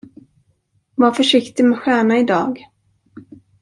Var försiktig med Stjärna idag!